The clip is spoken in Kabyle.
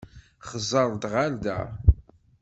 Xẓer-d ɣer da.